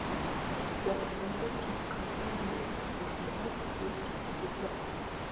zaonyesha kanali gaddafi siku zake